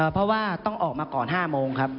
เพราะว่าต้องออกมาก่อน๕โมงครับ